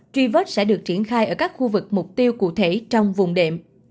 tri vớt sẽ được triển khai ở các khu vực mục tiêu cụ thể trong vùng đệm